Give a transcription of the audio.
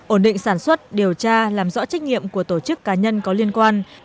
ổn định sản xuất điều tra làm rõ trách nhiệm của tổ chức cá nhân có liên quan